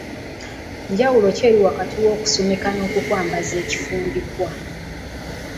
Njawulo ki eri wakati w’okusumika n’okukwambaza ekifundikwa?